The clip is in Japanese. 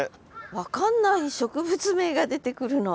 分かんない植物名が出てくるの。